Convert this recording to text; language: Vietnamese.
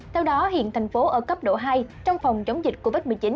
theo đó hiện thành phố ở cấp độ hai trong phòng chống dịch covid một mươi chín